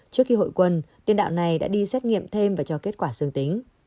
trước khi hội quân nhân đạo này đã đi xét nghiệm thêm và cho kết quả dương tính